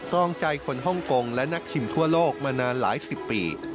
รองใจคนฮ่องกงและนักชิมทั่วโลกมานานหลายสิบปี